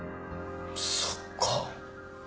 そっか。